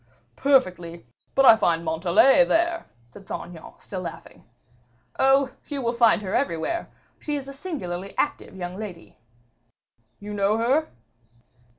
"Perfectly; but I find Montalais there," said Saint Aignan, still laughing. "Oh! you will find her everywhere. She is a singularly active young lady." "You know her?"